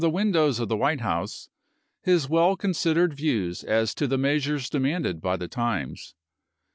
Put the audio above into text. windows of the White House, his well considered views as to the measures demanded by the times.